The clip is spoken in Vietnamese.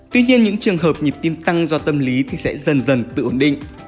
tuy nhiên những trường hợp nhịp tim tăng do tâm lý thì sẽ dần dần tự ổn định